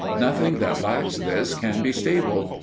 Nothing that lacks this can be stable.